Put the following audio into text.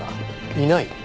いない？